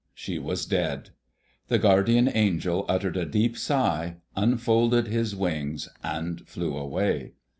She was dead. The guardian angel uttered a deep sigh, unfolded his wings, and flew away.